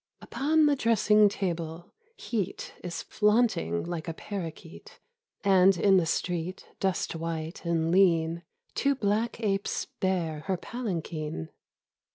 Upon the dressing table, heat Is flaunting like a parokeet, And in the street dust white and lean. Two black apes bear her palanquin.